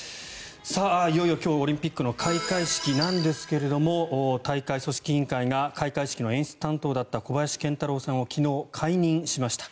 いよいよ今日オリンピックの開会式なんですけれど大会組織委員会が開会式の演出担当だった小林賢太郎さんを昨日、解任しました。